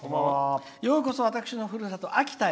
ようこそ、私のふるさと秋田へ。